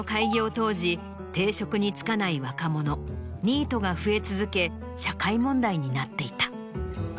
当時定職に就かない若者ニートが増え続け社会問題になっていた。